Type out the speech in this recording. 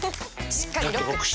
しっかりロック！